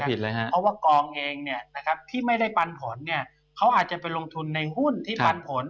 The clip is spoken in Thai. เพราะว่ากองเองที่ไม่ได้ปันผลเขาอาจจะไปลงทุนในหุ้นที่ปันผล